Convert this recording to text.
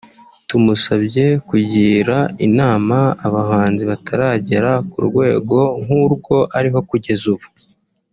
…Tumusabye kugira inama abahanzi bataragera ku rwego nk’urwo ariho kugeza ubu